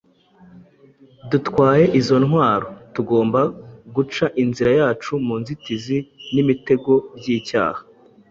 dutwaye izo ntwaro, tugomba guca inzira yacu mu nzitizi n’imitego by’icyaha.